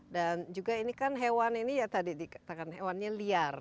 dan juga ini kan hewan ini ya tadi dikatakan hewannya liar